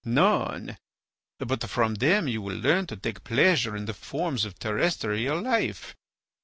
None; but from them you will learn to take pleasure in the forms of terrestrial life.